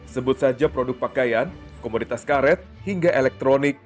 sebut saja produk pakaian komoditas karet hingga elektronik